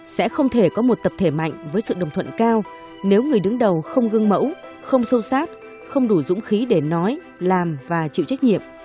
sẽ không thể có một tập thể mạnh với sự đồng thuận cao nếu người đứng đầu không gương mẫu không sâu sát không đủ dũng khí để nói làm và chịu trách nhiệm